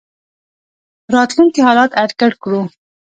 راتلونکي حالات اټکل کړو.